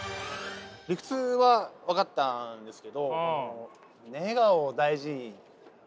理屈は分かったんですけど。